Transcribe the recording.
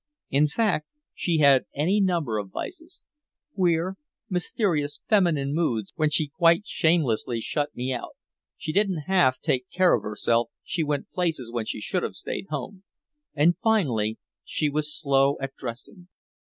In fact, she had any number of vices queer, mysterious feminine moods when she quite shamelessly shut me out. She didn't half take care of herself, she went places when she should have stayed at home. And finally, she was slow at dressing.